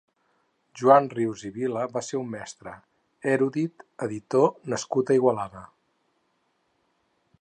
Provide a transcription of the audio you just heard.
Joan Rius i Vila va ser un mestre, èrudit, editor nascut a Igualada.